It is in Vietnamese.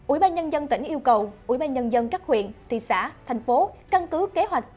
ủy ban nhân dân tỉnh yêu cầu ủy ban nhân dân các huyện thị xã thành phố căn cứ kế hoạch